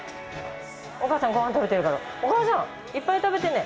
お母さんごはん食べてるからお母さんいっぱい食べてね。